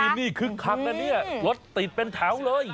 ที่นี่ครึ่งครั้งแล้วเนี่ยรถติดเป็นแถวเลย